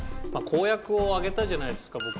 公約を挙げたじゃないですか